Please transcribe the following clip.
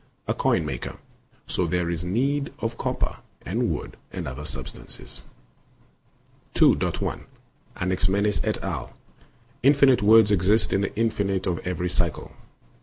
a coin maker ; [so there is need of copper and wood and other substances]. Aet. ii. 1; 827. Anaximenes et al.: Infinite worlds exist in the infinite in every cycle.